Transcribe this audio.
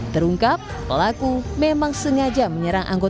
terungkap pelaku memang sengaja menyerang anggota